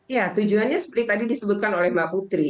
ya tujuannya seperti tadi disebutkan oleh mbak putri